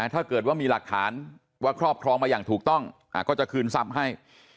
ถ้าเกิดว่ามีหลักฐานว่าครอบครองมาอย่างถูกต้องก็จะคืนทรัพย์ให้